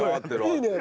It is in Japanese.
いいね